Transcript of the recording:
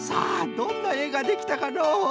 どんなえができたかのう？